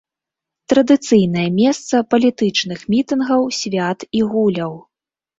Традыцыйнае месца палітычных мітынгаў, свят і гуляў.